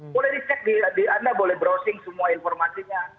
boleh dicek di anda boleh browsing semua informasinya